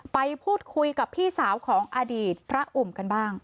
ไปพูดคุยกับพี่สาวของอดีตพระอุ่มกันบ้าง